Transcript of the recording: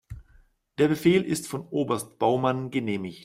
Der Befehl ist von Oberst Baumann genehmigt.